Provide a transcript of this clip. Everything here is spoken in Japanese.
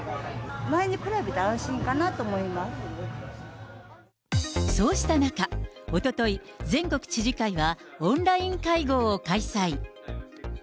前に比べたら、安心かなって思いそうした中、おととい、全国知事会は、オンライン会合を開催。